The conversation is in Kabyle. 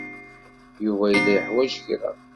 Yuba yella yeḥwaj kra.